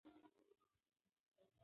ارام غږ ماشوم ډاډمن کوي.